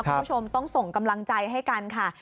คุณผู้ชมต้องส่งกำลังใจให้กันค่ะ